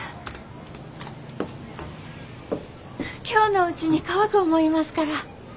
今日のうちに乾く思いますから。